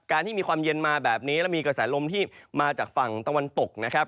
ที่มีความเย็นมาแบบนี้แล้วมีกระแสลมที่มาจากฝั่งตะวันตกนะครับ